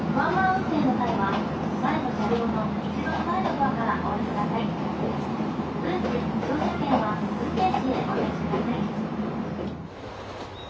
運賃・乗車券は運転手へお出し下さい」。